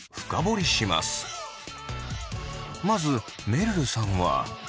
まずめるるさんは。